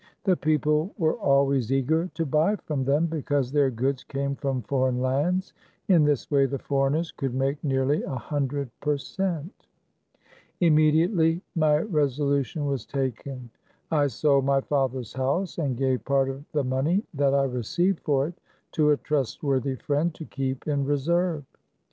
The peo ple were always eager to buy from them, because their goods came from foreign lan$s. In this way, the foreigners could make nearly a hun dred per cent. Immediately my resolution was taken. I sold my father's house, and gave part of the money that I received for it to a trustworthy friend, to keep in reserve.